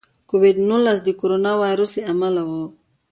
د کوویډ نولس د کورونا وایرس له امله و.